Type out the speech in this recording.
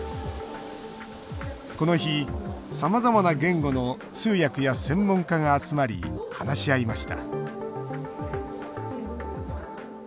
この日、さまざまな言語の通訳や専門家が集まり話し合いました。